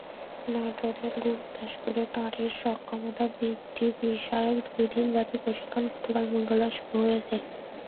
নাটোরের গুরুদাসপুরে নারীর সক্ষমতা বৃদ্ধিবিষয়ক দুই দিনব্যাপী প্রশিক্ষণ গতকাল মঙ্গলবার শুরু হয়েছে।